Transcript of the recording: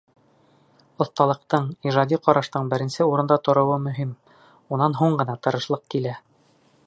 Оҫталыҡтың, ижади ҡараштың беренсе урында тороуы мөһим, унан һуң ғына тырышлыҡ килә.